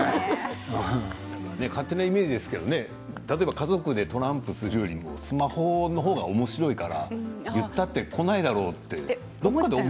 勝手なイメージですけど家族でトランプをするよりもスマホの方がおもしろいから言ったって来ないだろうと。